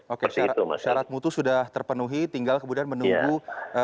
oke syarat mutu sudah terpenuhi tinggal kemudian menunggu